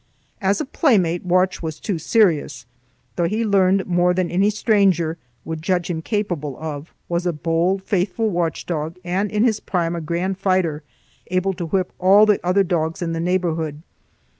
As a playmate Watch was too serious, though he learned more than any stranger would judge him capable of, was a bold, faithful watch dog, and in his prime a grand fighter, able to whip all the other dogs in the neighborhood.